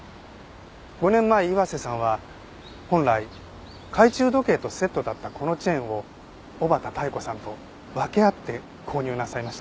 ５年前岩瀬さんは本来懐中時計とセットだったこのチェーンを小畠妙子さんと分け合って購入なさいました。